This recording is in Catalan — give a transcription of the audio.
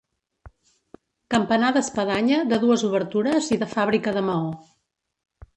Campanar d'espadanya de dues obertures i de fàbrica de maó.